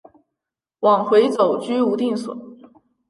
往回走居无定所